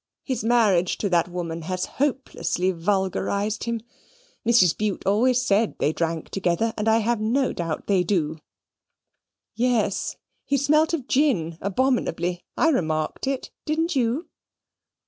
His marriage to that woman has hopelessly vulgarised him. Mrs. Bute always said they drank together; and I have no doubt they do. Yes: he smelt of gin abominably. I remarked it. Didn't you?"